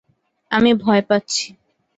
আমি ভয় পাচ্ছি।